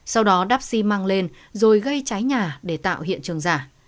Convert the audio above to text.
sau đó đắp xi măng lên rồi gây trái nhà để tạo hiện trường giả